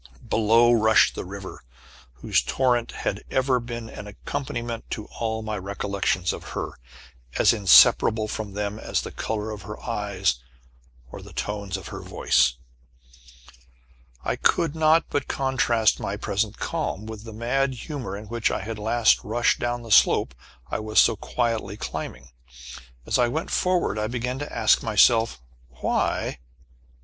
Below rushed the river, whose torrent had ever been an accompaniment to all my recollections of her as inseparable from them as the color of her eyes, or the tones of her voice. I could not but contrast my present calm with the mad humor in which I had last rushed down the slope I was so quietly climbing. As I went forward, I began to ask myself, "Why?"